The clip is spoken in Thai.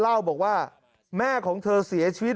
เล่าบอกว่าแม่ของเธอเสียชีวิต